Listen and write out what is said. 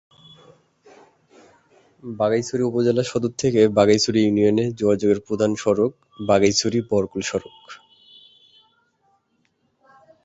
বাঘাইছড়ি উপজেলা সদর থেকে বাঘাইছড়ি ইউনিয়নে যোগাযোগের প্রধান সড়ক বাঘাইছড়ি-বরকল সড়ক।